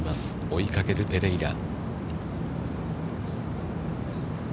追いかけるペレイラ。